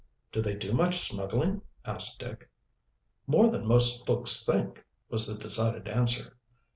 "Do they do much smuggling?" asked Dick. "More than most folks think," was the decided answer.